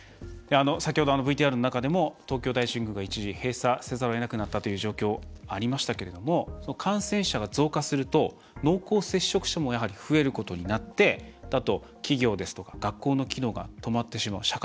先ほどＶＴＲの中でも東京大神宮が一時閉鎖せざるをえなくなったという状況ありましたけれども感染者が増加すると濃厚接触者もやはり増えることになってあと、企業ですとか学校の機能が止まってしまう。